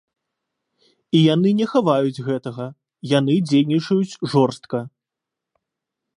І яны не хаваюць гэтага, яны дзейнічаюць жорстка.